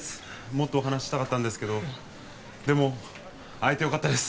もっとお話ししたかったんですけどでも会えてよかったです